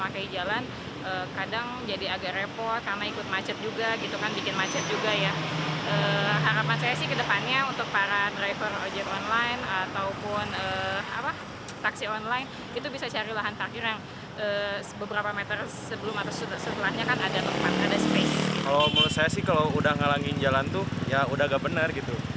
kalau sudah menghalangi jalan itu ya sudah tidak benar